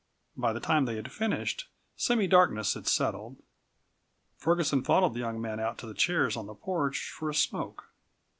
By the time they had finished semi darkness had settled. Ferguson followed the young man out to the chairs on the porch for a smoke.